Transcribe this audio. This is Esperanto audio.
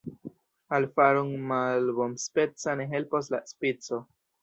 Al farun' malbonspeca ne helpos la spico.